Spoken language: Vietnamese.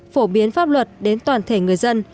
phổ biến pháp luật đến toàn thể người dân